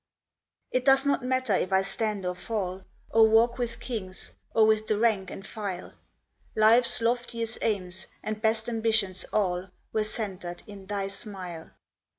It does not matter if I stand or fall, Or walk with kings, or with the rank and file; Life's loftiest aims and best ambitions all Were centred in thy smile.